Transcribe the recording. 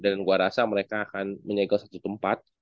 dan gue rasa mereka akan menyegah satu tempat